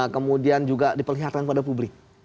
kemudian juga diperlihatkan pada publik